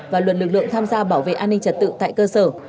và luật lực lượng tham gia bảo vệ an ninh trật tự tại cơ sở